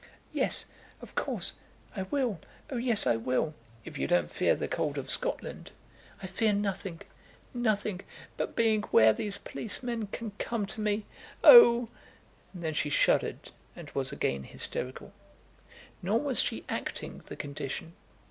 "Yes; of course. I will. Oh yes, I will!" "If you don't fear the cold of Scotland " "I fear nothing, nothing but being where these policemen can come to me. Oh!" and then she shuddered and was again hysterical. Nor was she acting the condition.